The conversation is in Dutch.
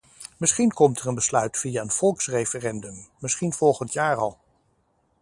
Misschien komt er een besluit via een volksreferendum, misschien volgend jaar al.